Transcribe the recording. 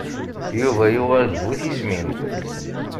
Yuba yuɣal d bu tismin.